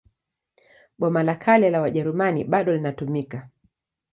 Boma la Kale la Wajerumani bado inatumika.